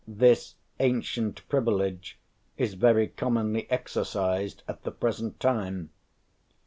This "ancient privilege" is very commonly exercised at the present time.